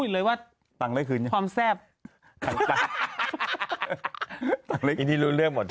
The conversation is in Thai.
เลยว่าตังนั้นคือความแซ่บ